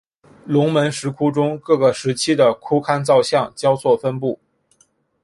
龙门石窟中各个时期的窟龛造像交错分布。